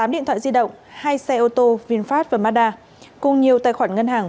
tám điện thoại di động hai xe ô tô vinfast và mazda cùng nhiều tài khoản ngân hàng